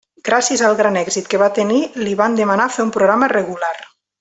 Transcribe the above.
Gràcies al gran èxit que va tenir li van demanar fer un programa regular.